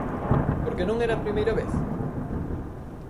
¿Por que non era a primeira vez?